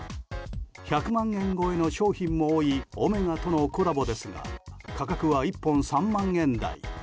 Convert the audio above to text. １００万円超えの商品も多いＯＭＥＧＡとのコラボですが価格は１本３万円台。